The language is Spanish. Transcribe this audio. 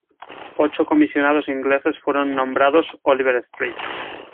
Ocho comisionados ingleses fueron nombrados, Oliver St.